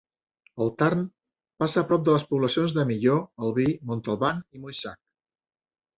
El Tarn passa prop de les poblacions de Millau, Albi, Montalban i Moissac.